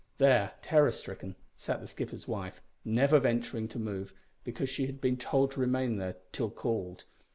There, terror stricken, sat the skipper's wife, never venturing to move, because she had been told to remain there till called.